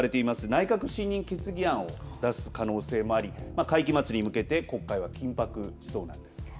内閣不信任決議案を出す可能性もあり会期末に向けて国会は緊迫しそうです。